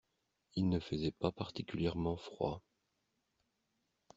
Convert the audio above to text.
Il ne faisait pas particulièrement froid.